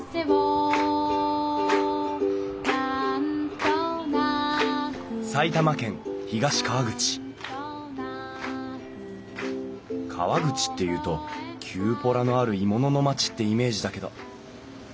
それは埼玉県東川口川口っていうと「キューポラのある鋳物の町」ってイメージだけど